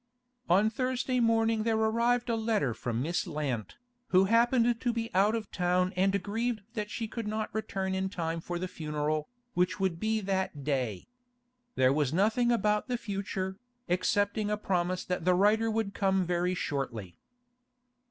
On Thursday morning there arrived a letter from Miss Lant, who happened to be out of town and grieved that she could not return in time for the funeral, which would be that day. There was nothing about the future, excepting a promise that the writer would come very shortly.